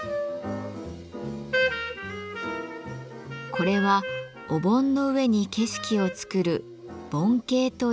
これはお盆の上に景色を作る「盆景」というアート。